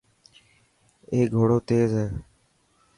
اي گهوڙو تيز هي.